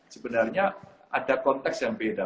sebenarnya ada konteks yang beda